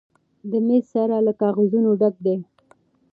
د میز سر له کاغذونو ډک دی.